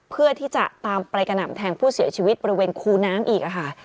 เพื่อที่จะตามไปกระหน่ำแทงผู้เสียชีวิตบริเวณคูน้ำอีกค่ะ